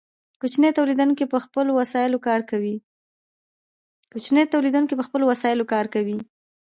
کوچني تولیدونکي په خپلو وسایلو کار کوي.